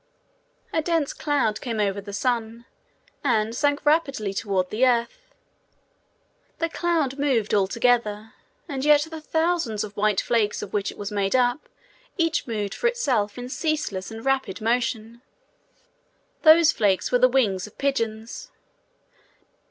A dense cloud came over the sun, and sank rapidly toward the earth. The cloud moved all together, and yet the thousands of white flakes of which it was made up moved each for itself in ceaseless and rapid motion: those flakes were the wings of pigeons.